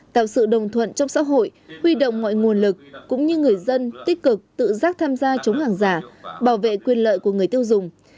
tạo sự đồng thuận trong xã hội huy động mọi nguồn lực cũng như người dân tích cực tự giác tham gia chống hàng giả bảo vệ quyền lợi của người tiêu dùng